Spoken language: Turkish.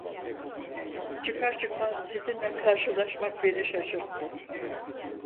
Çıkar çıkmaz sizinle karşılaşmak beni şaşırttı…